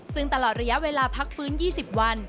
ซึ่งตลอดระยะเวลาพักฟื้น๒๐วัน